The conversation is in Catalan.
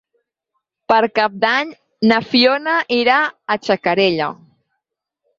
Per Cap d'Any na Fiona irà a Xacarella.